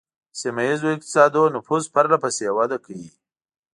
د سیمه ایزو اقتصادونو نفوذ پرله پسې وده کوي